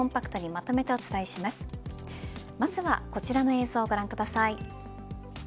まずはこちらの映像をご覧ください。